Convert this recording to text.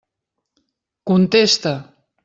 Contesta!